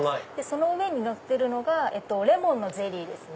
その上にのってるのがレモンのゼリーですね。